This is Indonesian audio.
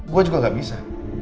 gue juga gak bisa